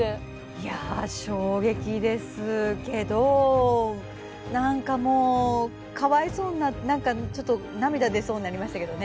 いや衝撃ですけど何かもうかわいそうになって何かちょっと涙出そうになりましたけどね。